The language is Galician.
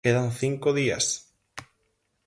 Quedan cinco días.